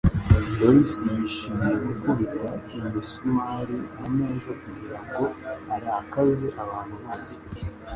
Doris yishimiye gukubita imisumari kumeza kugirango arakaze abantu bose.